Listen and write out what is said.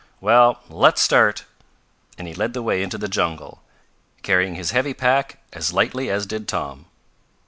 Well, let's start!" and he led the way into the jungle, carrying his heavy pack as lightly as did Tom.